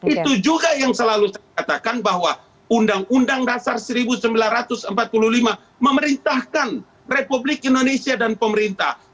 itu juga yang selalu saya katakan bahwa undang undang dasar seribu sembilan ratus empat puluh lima memerintahkan republik indonesia dan pemerintah